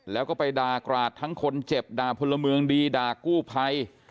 แล้วก็ไปด่ากราดทั้งคนเจ็บด่าพลเมืองดีด่ากู้ภัย